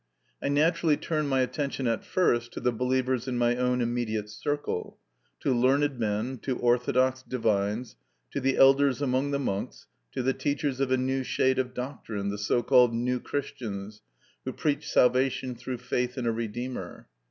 I naturally turned my attention at first to the believers in my own immediate circle, to learned men, to orthodox divines, to the elders among the monks, to the teachers of a new shade of doctrine, the so called New Christians, who preach salvation through faith in a Redeemer.